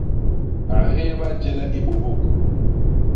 A héba jéle i bôbôk.